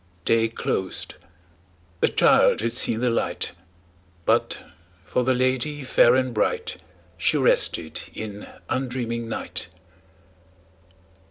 Day closed; a child had seen the light; But, for the lady fair and bright, She rested in undreaming night.